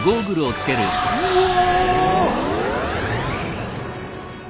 うわ！